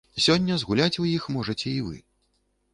Сёння згуляць у іх можаце і вы!